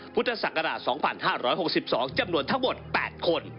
พุทธศักราช๒๕๖๒จำนวนทั้งหมด๘คน